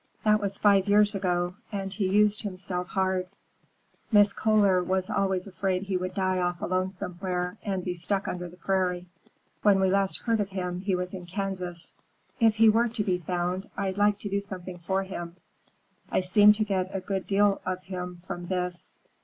That was five years ago, and he used himself hard. Mrs. Kohler was always afraid he would die off alone somewhere and be stuck under the prairie. When we last heard of him, he was in Kansas." "If he were to be found, I'd like to do something for him. I seem to get a good deal of him from this."